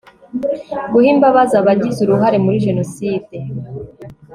guha imbabazi abagize uruhare muri jenoside